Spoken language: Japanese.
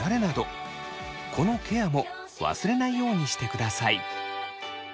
このケアも忘れないようにしてください。